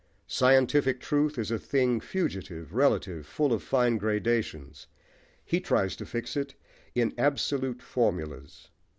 Scientific truth is a thing fugitive, relative, full of fine gradations: he tries to fix it in absolute formulas.